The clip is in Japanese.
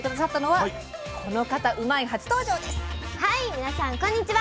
はい皆さんこんにちは。